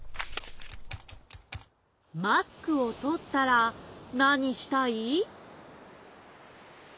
マスクをとったらなにしたい？